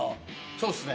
そうっすね。